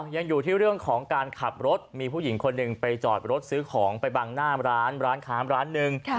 ยังอยู่ที่เรื่องของการขับรถมีผู้หญิงคนหนึ่งไปจอดรถซื้อของไปบังหน้าร้านร้านค้าร้านหนึ่ง